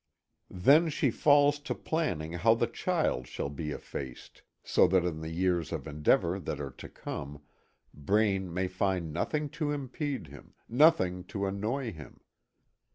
Then she falls to planning how the child shall be effaced so that in these years of endeavor that are to come, Braine may find nothing to impede him, nothing to annoy him.